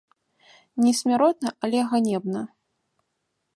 Не смяротна, але ганебна.